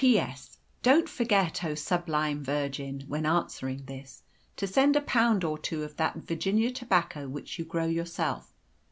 "P.S. Don't forget, oh, sublime virgin! when answering this, to send a pound or two of that Virginia tobacco which you grow yourself.